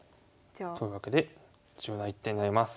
というわけで重要な一手になります。